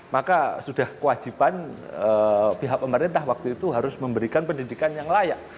maka sudah kewajiban pihak pemerintah waktu itu harus memberikan pendidikan yang layak